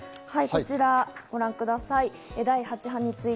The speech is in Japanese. こちらをご覧ください。